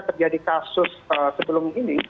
terjadi kasus sebelum ini